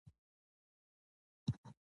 پابندی غرونه د افغان کلتور سره تړاو لري.